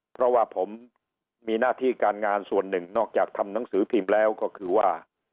เพราะว่าผมมีหน้าที่การงานส่วนหนึ่งนอกจากทำหนังสือพิมพ์แล้วก็คือว่า